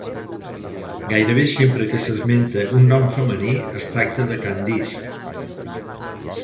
Gairebé sempre que s'esmenta un nom femení es tracta de Candice.